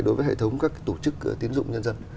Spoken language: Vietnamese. đối với hệ thống các tổ chức tiến dụng nhân dân